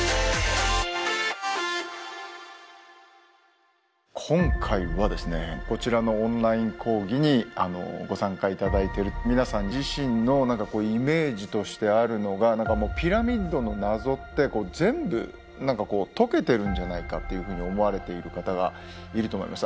当時はまだ今回はですねこちらのオンライン講義にご参加頂いてる皆さん自身のイメージとしてあるのがピラミッドの謎って全部解けてるんじゃないかっていうふうに思われている方がいると思います。